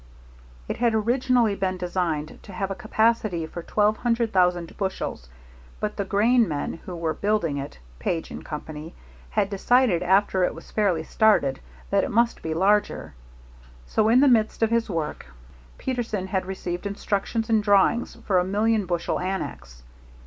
It had originally been designed to have a capacity for twelve hundred thousand bushels, but the grain men who were building it, Page & Company, had decided after it was fairly started that it must be larger; so, in the midst of his work, Peterson had received instructions and drawings for a million bushel annex.